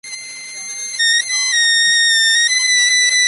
John and Charlie find themselves in jail.